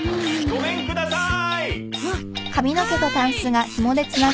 ・ごめんください！